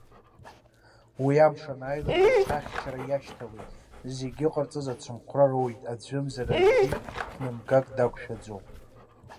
Уи амш анааилак рхы ахьчара иашьҭалоит, зегьы иҟарҵаз ацымхәра роуеит, аӡәымзар аӡәгьы қәнымгак дақәшәаӡом.